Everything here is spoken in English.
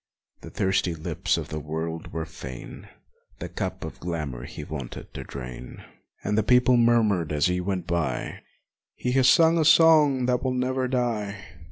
The thirsty lips of the world were fain The cup of glamor he vaunted to drain. And the people murmured as he went by, "He has sung a song that will never die